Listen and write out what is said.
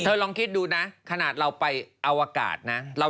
ลองคิดดูนะขนาดเราไปอวกาศนะ